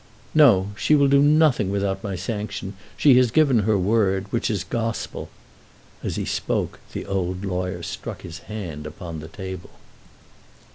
"No! She will do nothing without my sanction. She has given her word, which is gospel." As he spoke the old lawyer struck his hand upon the table.